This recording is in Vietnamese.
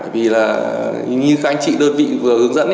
vì là như các anh chị đơn vị vừa hướng dẫn